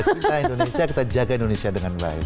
kita indonesia kita jaga indonesia dengan baik